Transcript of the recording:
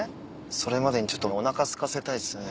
それまでにちょっとおなかすかせたいですね。